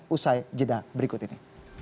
usai jeda berikut ini